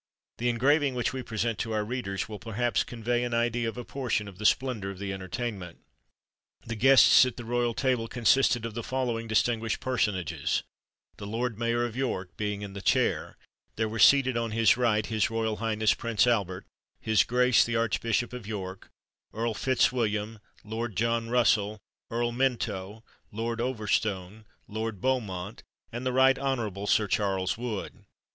The engraving which we present to our readers[F] will perhaps convey an idea of a portion of the splendour of the entertainment. The guests at the royal table consisted of the following distinguished personages: The Lord Mayor of York being in the chair, there were seated on his right his Royal Highness Prince Albert, his Grace the Archbishop of York, Earl Fitzwilliam, Lord John Russell, Earl Minto, Lord Overstone, Lord Beaumont, and the Right Honourable Sir Charles Wood.